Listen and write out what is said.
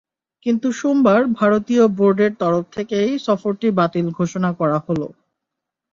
কিন্তু সোমবার ভারতীয় বোর্ডের তরফ থেকেই সফরটি বাতিল ঘোষণা করা হল।